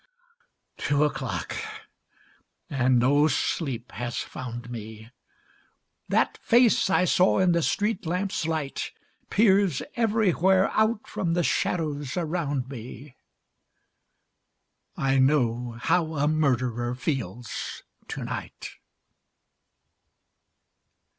Two o'clock, and no sleep has found me; That face I saw in the street lamp's light Peers everywhere out from the shadows around me I know how a murderer feels to night.